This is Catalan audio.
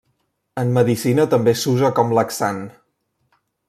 En medicina també s'usa com laxant.